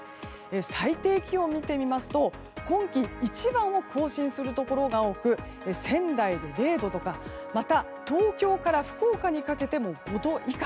最低気温を見てみますと今季一番を更新するところが多く仙台で０度とかまた、東京から福岡にかけても５度以下。